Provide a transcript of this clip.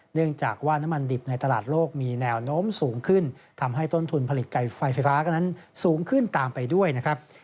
เนื่องจากว่าน้ำมันดิบในตลาดโลกมีแนวโน้มสูงขึ้นทำให้ต้นทุนผลิตไก่ไฟฟ้าก็นั้นสูงขึ้นตามไปด้วยนะครับ